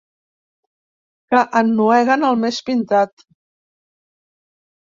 Que ennueguen el més pintat.